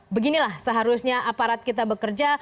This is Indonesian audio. beginilah seharusnya aparat kita bekerja